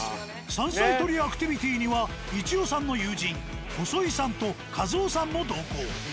山菜採りアクティビティーには一夫さんの友人細井さんと一男さんも同行。